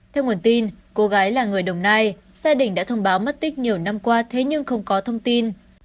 theo nguồn tin cô gái là người đồng nai gia đình đã thông báo mất tích nhiều năm qua thế nhưng không có thông tin